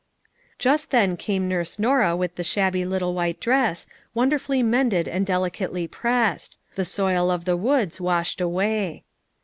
'' Just then came Nurse Norah with the shabby little white dress, wonderfully mended and delicately pressed; the soil of the woods washed away.